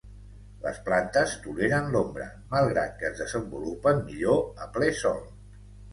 Les plantes toleren l'ombra, malgrat que es desenvolupen millor a ple sol.